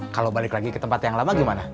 kalau balik lagi ke tempat yang lama gimana